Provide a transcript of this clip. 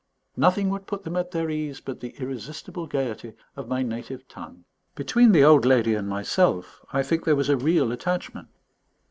Nothing would put them at their ease but the irresistible gaiety of my native tongue. Between the old lady and myself I think there was a real attachment.